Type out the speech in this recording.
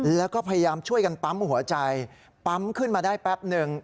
แล้วก็พยายามช่วยกันปั๊มหัวใจปั๊มขึ้นมาได้แป๊บหนึ่ง